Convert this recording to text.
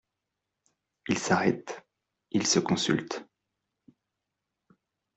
Ils s'arrêtent, ils se consultent.